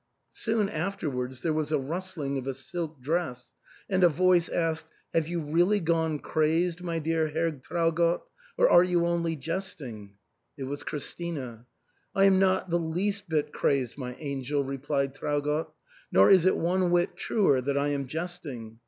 Soon afterwards there was a rustling of a silk dress, and a voice asked, Have you really gone crazed, my dear Herr Traugott, or are you only jesting ?" It was Christina. " I am not the least bit crazed, my angel," replied Traugott, " nor is it one whit truer that I am jesting.